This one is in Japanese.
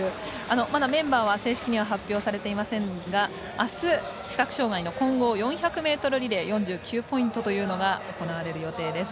まだメンバーは正式には発表されていませんがあす、視覚障がいの混合４００ｍリレー４９ポイントというのが行われる予定です。